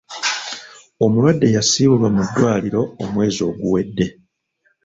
"Omulwadde yasiibulwa mu ddwaliro omwezi oguwedde.